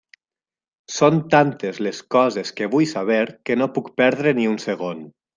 Són tantes les coses que vull saber que no puc perdre ni un segon.